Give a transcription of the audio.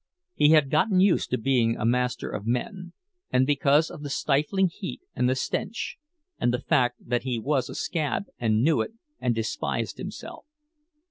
He had gotten used to being a master of men; and because of the stifling heat and the stench, and the fact that he was a "scab" and knew it and despised himself.